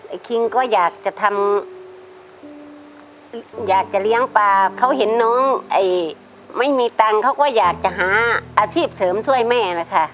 คิงก็อยากจะทำอยากจะเลี้ยงปลาเขาเห็นน้องไม่มีตังค์เขาก็อยากจะหาอาชีพเสริมช่วยแม่นะคะ